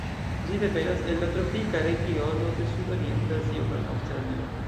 Ĝi devenas el la tropika regiono de Sudorienta Azio kaj Aŭstralio.